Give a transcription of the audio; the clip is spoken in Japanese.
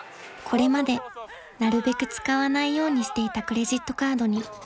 ［これまでなるべく使わないようにしていたクレジットカードに手を出したミサト］